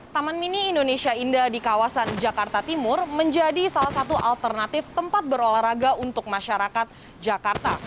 taman mini indonesia indah di kawasan jakarta timur menjadi salah satu alternatif tempat berolahraga untuk masyarakat jakarta